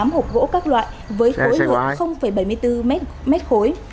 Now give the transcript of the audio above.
tám hộp gỗ các loại với khối lượng bảy mươi bốn mét khối